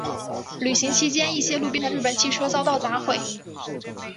游行期间一些路边的日本汽车遭到砸毁。